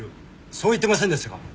そう言ってませんでしたか？